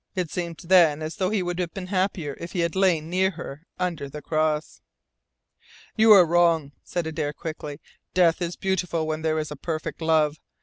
It seemed then as though he would have been happier if he had lain near her under the cross." "You are wrong," said Adare quickly. "Death is beautiful when there is a perfect love.